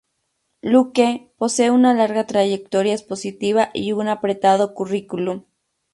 Luque posee una larga trayectoria expositiva y un apretado currículum.